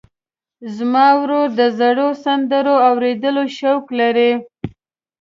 زما ورور د زړو سندرو اورېدو شوق لري.